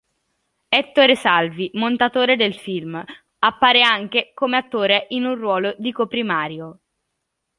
Ettore Salvi, montatore del film, appare anche come attore in un ruolo di comprimario.